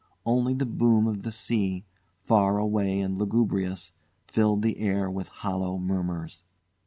Only the boom of the sea, far away and lugubrious, filled the air with hollow murmurs.